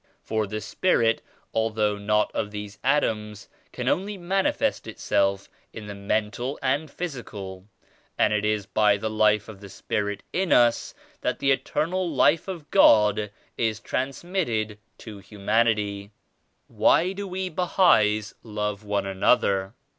For the Spirit 83 although not of these atoms, can only manifest Itself in the mental and physical and it is by the Life of the Spirit in us that the Eternal Life of God is transmitted to humanity. Why do we Bahais love one another?